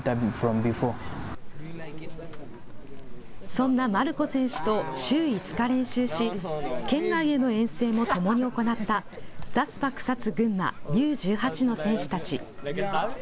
そんなマルコ選手と週５日練習し県外への遠征もともに行ったザスパクサツ群馬Ｕ１８の選手たち。